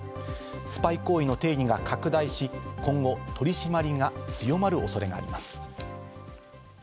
スパイ行為の定義が拡大し、今後、取り締まりが強まる恐れがあります。